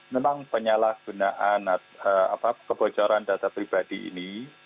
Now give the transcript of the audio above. memang penyalahgunaan kebocoran data pribadi ini